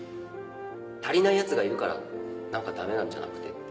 足りないやつがいるから駄目なんじゃなくて。